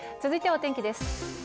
続いてはお天気です。